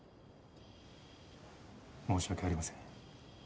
申し訳ありません。